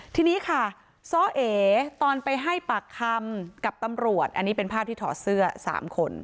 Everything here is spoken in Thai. ทีนี้ค่ะซ้อเอตอนไปให้ปากคำกับตำรวจอันนี้เป็นภาพที่ถอดเสื้อ๓คน